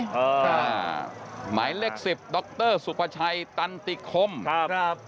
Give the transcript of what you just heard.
ครับหมายเลข๑๐ดรสุภาชัยตันติคมครับ